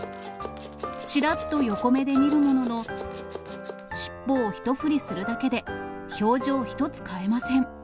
ちらっと横目で見るものの、尻尾を一振りするだけで、表情一つ変えません。